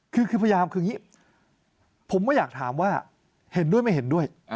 คือคือพยายามคืออย่างนี้ผมก็อยากถามว่าเห็นด้วยไม่เห็นด้วย